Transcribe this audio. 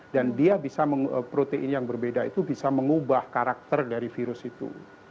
dan dia bisa protein yang berbeda itu bisa mengubah karakter dari virus itu